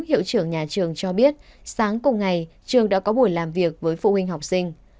hiệu trưởng nhà trường cho biết sáng cùng ngày trường đã có buổi làm việc với phụ huynh học sinh